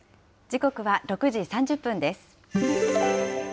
時刻は６時３０分です。